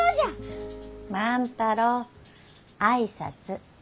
万太郎挨拶。